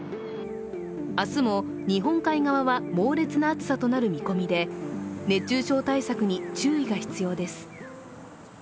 明日も日本海側は猛烈な暑さとなる見込みで熱中症対策に注意が必要です。